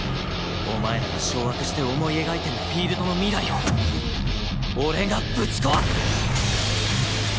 お前らが掌握して思い描いてるフィールドの未来を俺がぶち壊す！